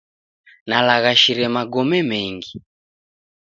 Nalaghashire magome mengi.